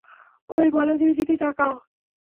ওই বলদের দিকে তাকাও।